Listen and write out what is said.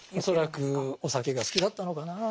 恐らくお酒が好きだったのかな。